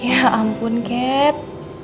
ya ampun kat